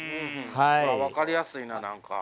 分かりやすいな何か。